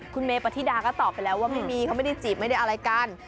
คุณเมปฏิดาก็ตอบไปแล้วว่าไม่มีเขาไม่ได้จีบไม่ได้อะไรกัน